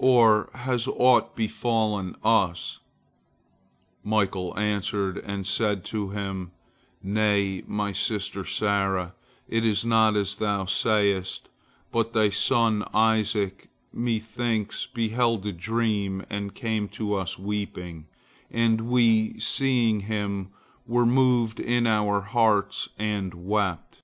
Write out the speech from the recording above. or has aught befallen us?" Michael answered, and said to her, "Nay, my sister Sarah, it is not as thou sayest, but thy son Isaac, methinks, beheld a dream, and came to us weeping, and we, seeing him, were moved in our hearts and wept."